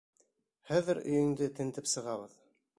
Хәҙер өйөңдө тентеп сығабыҙ.